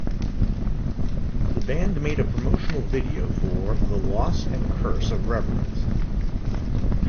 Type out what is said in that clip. The band made a promotional video for "The Loss and Curse of Reverence".